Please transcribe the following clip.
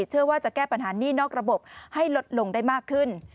เชื่อว่าจะแก้ปัญหานี่นอกระบบให้ลดลงได้มากขึ้น